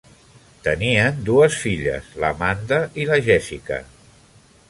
Tenien dues filles, l'Amanda i la Jessica.